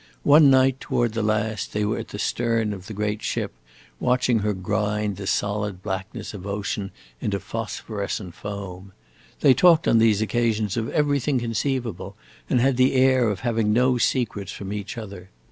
One night, toward the last, they were at the stern of the great ship, watching her grind the solid blackness of the ocean into phosphorescent foam. They talked on these occasions of everything conceivable, and had the air of having no secrets from each other.